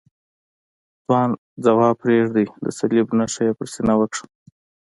ځواب پرېږدئ، د صلیب نښه یې پر سینه وکښل.